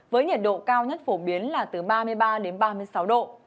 với nhiệt độ cao nhất phổ biến là từ ba mươi ba đến ba mươi sáu độ